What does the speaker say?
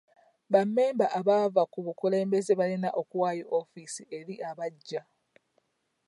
Bammemba abava ku bukulembeze balina okuwaayo woofiisi eri abaggya.